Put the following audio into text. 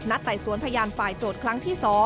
ไต่สวนพยานฝ่ายโจทย์ครั้งที่๒